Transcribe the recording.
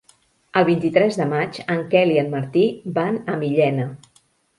El vint-i-tres de maig en Quel i en Martí van a Millena.